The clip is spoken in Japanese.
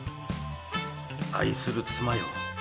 愛する妻よ